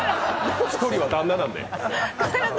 １人は旦那なので。